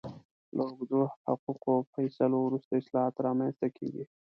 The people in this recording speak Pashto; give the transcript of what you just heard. له اوږدو حقوقي فیصلو وروسته اصلاحات رامنځته کېږي.